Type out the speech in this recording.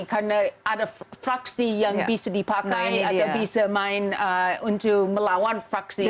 karena ada fraksi yang bisa dipakai atau bisa main untuk melawan fraksi kedua